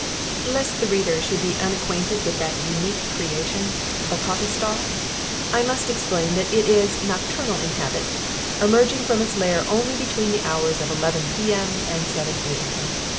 Lest the reader should be unacquainted with that unique creation, the coffee stall, I must explain that it is nocturnal in habit, emerging from its lair only between the hours of 11 p.m. and 7 a.m.